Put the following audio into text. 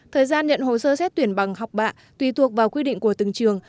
thời gian nhận hồ sơ xét tuyển bằng học bạ tùy thuộc vào quy định của từng trường